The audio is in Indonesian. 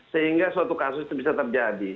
sehingga suatu kasus itu bisa terjadi